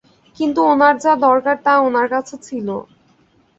কিন্তু ওনার যা দরকার তা ওনার কাছে ছিল।